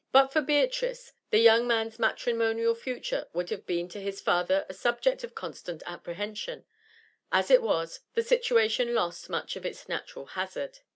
But for Beatrice, the young man's matrimonial future would have been to his father a subject of constant apprehension; as it was, the situation lost much of its natural hazard.